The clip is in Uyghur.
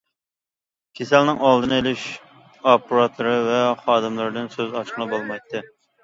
كېسەلنىڭ ئالدىنى ئېلىش ئاپپاراتلىرى ۋە خادىملىرىدىن سۆز ئاچقىلى بولمايتتى.